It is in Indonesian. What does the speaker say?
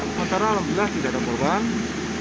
sementara alam jelas tidak ada korban